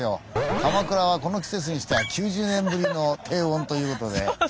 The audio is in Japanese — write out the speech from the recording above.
鎌倉はこの季節にしては９０年ぶりの低温ということで。